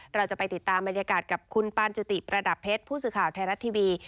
เราจะไปติดตามบรรยากาศกับคุณปานจุติประดับเพชรผู้สื่อข่าวไทยรัฐทีวี